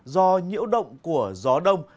do nhiễu động của gió đông